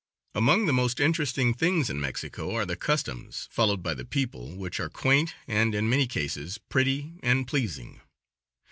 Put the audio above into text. Among the most interesting things in Mexico are the customs followed by the people, which are quaint, and, in many cases, pretty and pleasing.